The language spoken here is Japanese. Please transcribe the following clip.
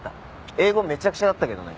英語めちゃくちゃだったけどね。